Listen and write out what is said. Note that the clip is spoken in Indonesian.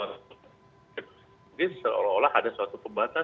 jadi seolah olah ada suatu pembatasan